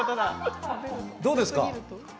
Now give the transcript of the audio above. どうですか？